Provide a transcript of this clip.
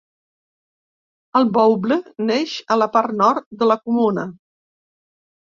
El Bouble neix a la part nord de la comuna.